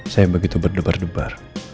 saya begitu berdebar debar